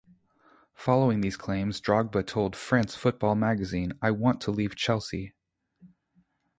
Following these claims, Drogba told "France Football Magazine" "I want to leave Chelsea.